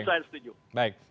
itu saya setuju